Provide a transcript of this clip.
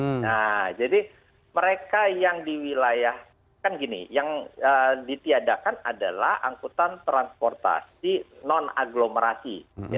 nah jadi mereka yang di wilayah kan gini yang ditiadakan adalah angkutan transportasi non agglomerasi